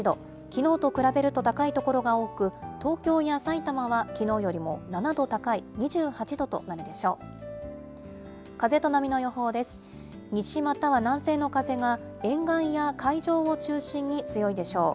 きのうと比べると高い所が多く、東京やさいたまはきのうよりも７度高い２８度となるでしょう。